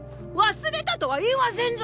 忘れたとは言わせんぞ！